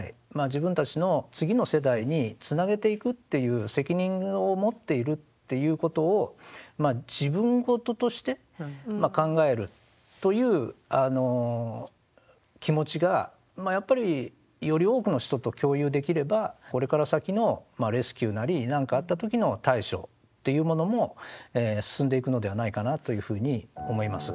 自分たちの次の世代につなげていくっていう責任を持っているっていうことを自分事として考えるという気持ちがやっぱりより多くの人と共有できればこれから先のレスキューなり何かあった時の対処っていうものも進んでいくのではないかなというふうに思います。